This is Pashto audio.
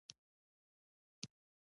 دا د خیر خبره یې څو ځل تکرار کړه.